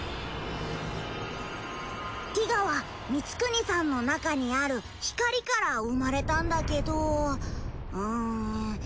ティガはミツクニさんの中にある光から生まれたんだけどうん。